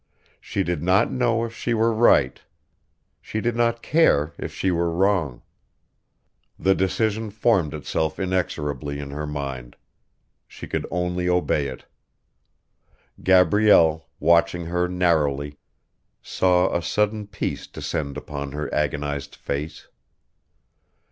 She did not know if she were right. She did not care if she were wrong. The decision formed itself inexorably in her mind. She could only obey it. Gabrielle, watching her narrowly, saw a sudden peace descend upon her agonised face.